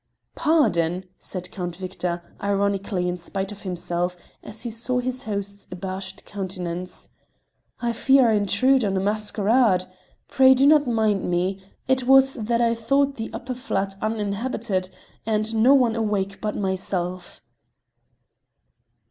"Pardon!" said Count Victor, ironically in spite of himself, as he saw his host's abashed countenance. "I fear I intrude on a masquerade. Pray, do not mind me. It was that I thought the upper flat uninhabited, and no one awake but myself."